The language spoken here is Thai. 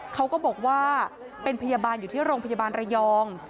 เขาก็บอกว่าเป็นพยาบาลอยู่ที่โรงพยาบาลระยอง